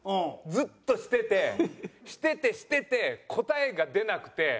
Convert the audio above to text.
ずっとしててしててしてて答えが出なくて。